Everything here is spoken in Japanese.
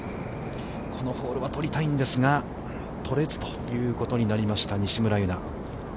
このホールは取りたいんですが、取れずということになりました、西村優菜。